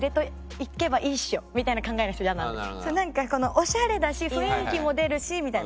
オシャレだし雰囲気も出るしみたいな。